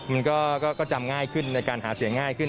มันก็จำง่ายขึ้นในการหาเสียงง่ายขึ้น